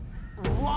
うわ！